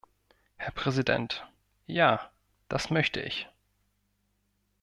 Herr Präsident, ja, das möchte ich.